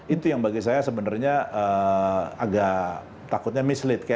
itu yang bagi saya sebenarnya agak takutnya misleate